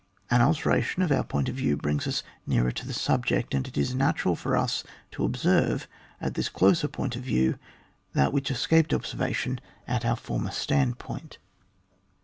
An alter ation of our point of view brings us n(;arer to the subject, and it is natural for us to observe, at this closer point of view, that which escaped observation at our VOL. ui. former standpoint.